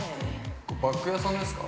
◆バッグ屋さんですか。